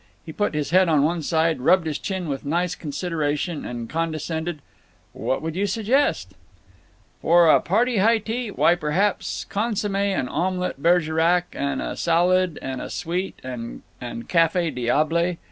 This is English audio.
He put his head on one side, rubbed his chin with nice consideration, and condescended, "What would you suggest?" "For a party high tea? Why, perhaps consomme and omelet Bergerac and a salad and a sweet and cafe diable.